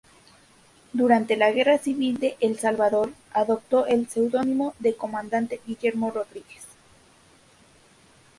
Durante la Guerra Civil de El Salvador, adoptó el seudónimo de Comandante Guillermo Rodríguez.